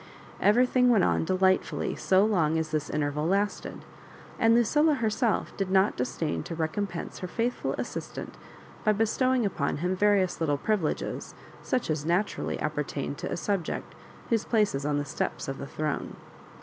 Everything went on delightfully so long as this interval last^, and Lucilla herself did not disdain to recompense her faithfhl assistant by bestowing upon him various little privileges, such as naturally appertain to a subject whose place is on the steps of the throne.